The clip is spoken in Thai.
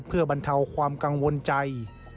เพื่อบรรเทาความกังวลใจ